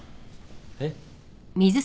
えっ？